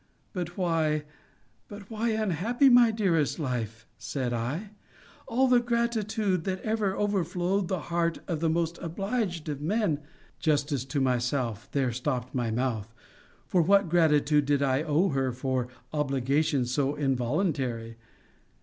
But why, but why unhappy, my dearest life? said I: all the gratitude that ever overflowed the heart of the most obliged of men Justice to myself there stopped my mouth: for what gratitude did I owe her for obligations so involuntary?